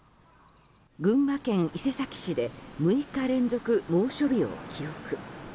群馬県伊勢崎市で６日連続猛暑日を記録。